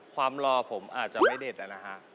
ความรอผมอาจจะไม่เด็ดนะฮะ